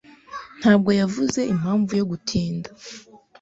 Ntabwo yavuze impamvu yo gutinda.